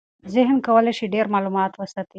ذهن کولی شي ډېر معلومات وساتي.